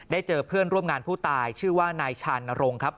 เจอเพื่อนร่วมงานผู้ตายชื่อว่านายชานรงค์ครับ